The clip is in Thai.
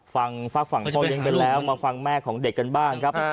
ฟักฝั่งพ่อยังเป็นแล้วมาฟังแม่ของเด็กกันบ้างครับ